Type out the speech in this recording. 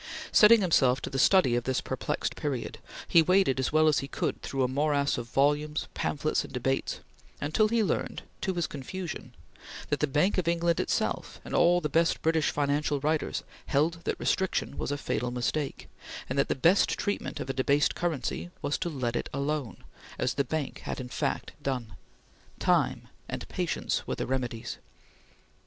Setting himself to the study of this perplexed period, he waded as well as he could through a morass of volumes, pamphlets, and debates, until he learned to his confusion that the Bank of England itself and all the best British financial writers held that restriction was a fatal mistake, and that the best treatment of a debased currency was to let it alone, as the Bank had in fact done. Time and patience were the remedies.